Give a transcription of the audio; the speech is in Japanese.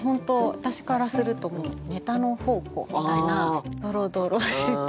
私からするともうネタの宝庫みたいなドロドロしたね。